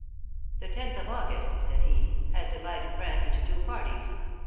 " The loth of August," said he, " has divided France into two parties.